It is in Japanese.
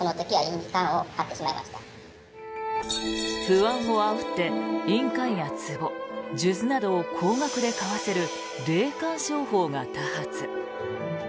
不安をあおって印鑑やつぼ数珠などを高額で買わせる霊感商法が多発。